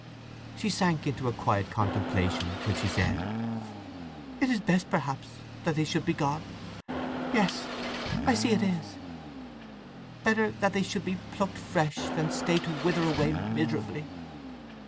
She sank into a quiet contemplation, till she said, "It is best, perhaps, that they should be gone.—Yes—I see it is! Better that they should be plucked fresh than stay to wither away miserably!"